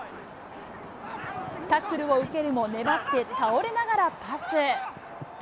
タックルを受けるも、粘って倒れながらパス。